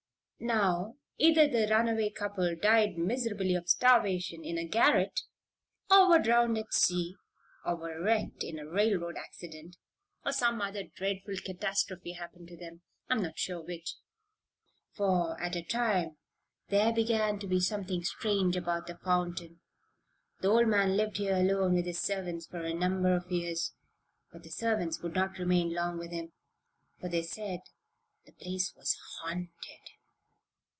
Now, either the runaway couple died miserably of starvation in a garret, or were drowned at sea, or were wrecked in a railroad accident, or some other dreadful catastrophe happened to them I'm not sure which; for after a time there began to be something strange about the fountain. The old man lived here alone with his servants for a number of years; but the servants would not remain long with him, for they said the place was haunted."